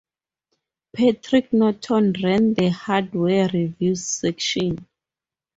Patrick Norton ran the hardware reviews section.